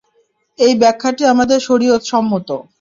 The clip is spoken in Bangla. এই ব্যাখ্যাটি আমাদের শরীয়তসম্মত।